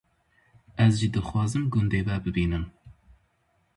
Ez jî dixwazim gundê we bibînim.